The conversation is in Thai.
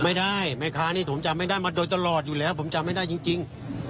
แม่ค้านี่ผมจำไม่ได้มาโดยตลอดอยู่แล้วผมจำไม่ได้จริง